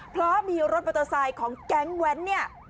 เพราะมีรถมอเตอร์ไซค์ของแก๊งแว้นเนี่ย